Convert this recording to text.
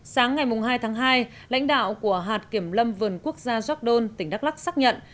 sáng ngày hai tháng hai lãnh đạo của hạt kiểm lâm vườn quốc gia gióc đôn tỉnh đắk lắc xác nhận